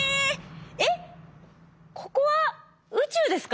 えっここは宇宙ですか？